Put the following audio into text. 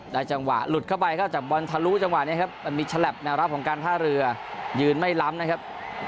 จังหวะหลุดเข้าไปครับจากบอลทะลุจังหวะนี้ครับมันมีฉลับแนวรับของการท่าเรือยืนไม่ล้ำนะครับ